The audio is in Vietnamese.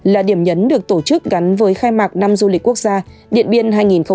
là điểm nhấn được tổ chức gắn với khai mạc năm du lịch quốc gia điện biên hai nghìn hai mươi bốn